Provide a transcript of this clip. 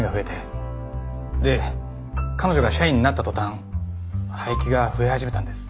で彼女が社員になった途端廃棄が増え始めたんです。